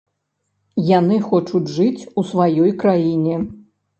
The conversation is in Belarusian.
Яны хочуць жыць у сваёй краіне.